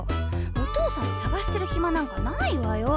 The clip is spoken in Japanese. お父さん捜してるヒマなんかないわよ。